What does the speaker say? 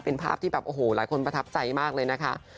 เป็นภาพที่แบบโอ้โหหลายคนประทับใจมากเลยนะคะ